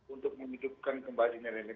untuk menghidupkan kembali nilai nilai